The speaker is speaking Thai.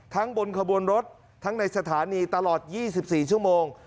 บนขบวนรถทั้งในสถานีตลอด๒๔ชั่วโมง